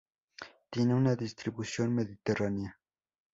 Tiene una distribución Mediterránea.